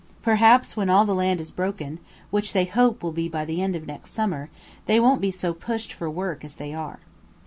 Perhaps when all the land is broken, which they hope will be by the end of next summer, they won't be so pushed for work as they are.